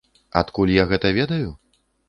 Адкуль я гэта ведаю?